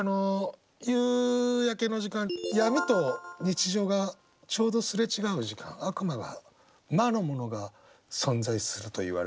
夕焼けの時間闇と日常がちょうど擦れ違う時間悪魔が魔の者が存在するといわれる魔時。